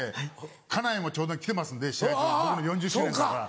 家内もちょうど来てますんで試合場に僕の４０周年だから。